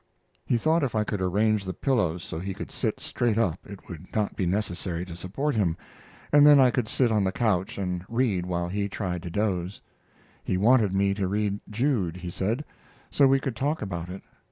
He thought if I could arrange the pillows so he could sit straight up it would not be necessary to support him, and then I could sit on the couch and read while he tried to doze. He wanted me to read Jude, he said, so we could talk about it.